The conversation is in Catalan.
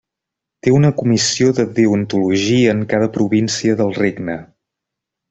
Té una comissió de deontologia en cada província del regne.